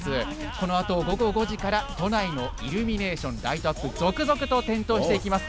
このあと午後５時から、都内のイルミネーションライトアップ、続々と点灯していきます。